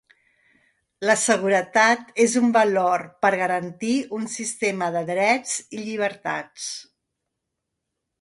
La seguretat és un valor per garantir un sistema de drets i llibertats.